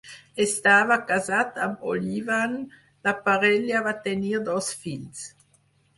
Estava casat amb Oliven; la parella va tenir dos fills.